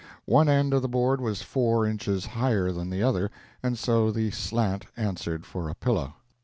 One end of the board was four inches higher than the other, and so the slant answered for a pillow.